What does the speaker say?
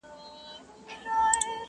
هره شپه به وي خپړي په نوکرځو٫